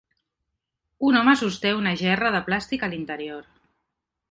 Un home sosté una gerra de plàstic a l'interior.